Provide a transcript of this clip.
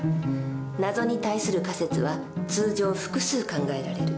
謎に対する仮説は通常複数考えられる。